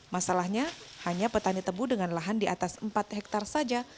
masalahnya hanya petani tebu dengan lahan di atas empat hektare saja